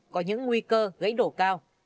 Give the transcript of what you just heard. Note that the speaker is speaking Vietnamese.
có những nguy cơ gãy đổ cao